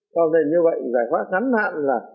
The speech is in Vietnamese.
sau này như vậy giải phóng ngắn hạn là